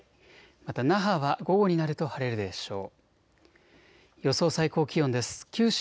また那覇は午後になると晴れるでしょう。